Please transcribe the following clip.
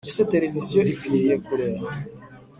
Ese televiziyo ikwiriye kurera